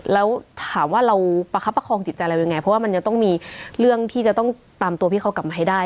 แล้วถามว่าเราประคับประคองจิตใจเรายังไงเพราะว่ามันยังต้องมีเรื่องที่จะต้องตามตัวพี่เขากลับมาให้ได้